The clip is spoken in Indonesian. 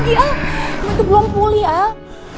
itu belum pulih al